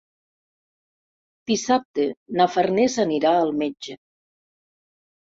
Dissabte na Farners anirà al metge.